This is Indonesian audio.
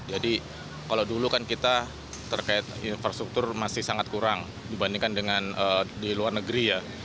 jadi kalau dulu kan kita terkait infrastruktur masih sangat kurang dibandingkan dengan di luar negeri ya